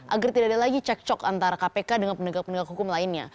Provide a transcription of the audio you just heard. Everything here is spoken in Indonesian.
agar tidak ada lagi cekcok antara kpk dengan pendegak pendegak hukum lainnya